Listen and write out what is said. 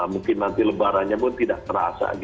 mungkin nanti lebarannya pun tidak terasa